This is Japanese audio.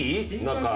中。